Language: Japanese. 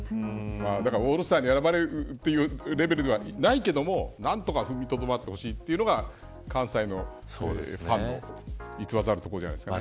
だからオールスターに選ばれるというレベルではないけれども何とか、踏みとどまってほしいというのが関西のファンの偽らざるところじゃないですか。